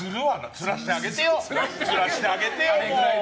つらしてあげてよ！